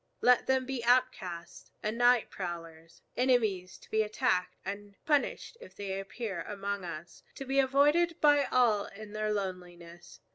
Let them be outcasts and night prowlers, enemies to be attacked and punished if they appear among us, to be avoided by all in their loneliness.